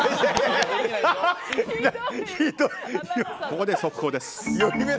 ここで速報です。